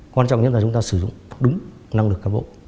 quan trọng nhất là chúng ta sử dụng đúng năng lực cán bộ